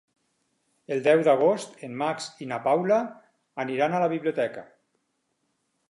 El deu d'agost en Max i na Paula aniran a la biblioteca.